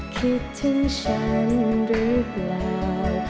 คิดถึงฉันหรือเปล่า